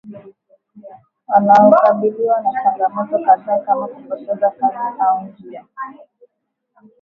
wanaokabiliwa na changamoto kadhaa kama kupoteza kazi au njia